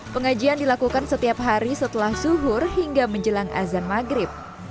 pengajian dilakukan setiap hari setelah suhur hingga menjelang azan maghrib